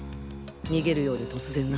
逃げるように突然な。